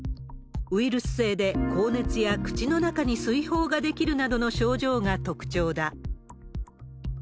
ウイルス性で、高熱や口の中に水ほうが出来るなどの症状が特徴だ。